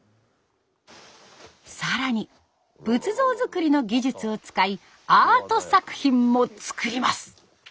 更に仏像作りの技術を使いアート作品も作ります。